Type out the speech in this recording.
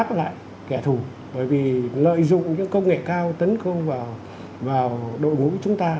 chúng ta phải đối tác lại kẻ thù bởi vì lợi dụng những công nghệ cao tấn công vào đội ngũ chúng ta